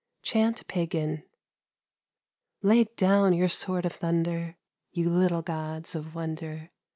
CHANT PAGAN LAY down your sword of thunder, You little gods of wonder